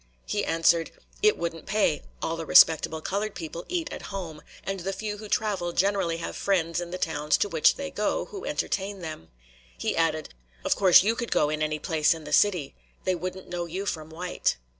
He answered: "It wouldn't pay; all the respectable colored people eat at home, and the few who travel generally have friends in the towns to which they go, who entertain them." He added: "Of course, you could go in any place in the city; they wouldn't know you from white."